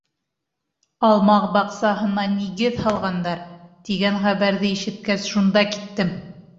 «Алма баҡсаһына нигеҙ һалғандар» тигән хәбәрҙе ишеткәс, шунда киттем.